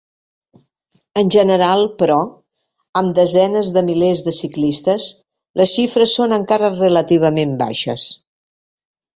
En general, però, amb desenes de milers de ciclistes, les xifres són encara relativament baixes.